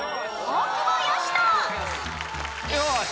よし！